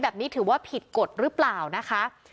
แบบนี้ถือว่าผิดกฎหรือเปล่านะคะ